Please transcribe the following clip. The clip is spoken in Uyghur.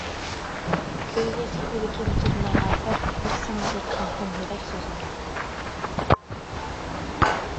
كۆيگەچكە يۈرىكىم چىدىماي ئاخىر، بىر ساڭا ئېيتقانتىم يۈرەك سۆزۈمنى.